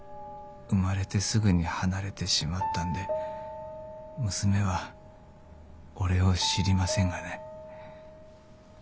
生まれてすぐに離れてしまったんで娘は俺を知りませんがね。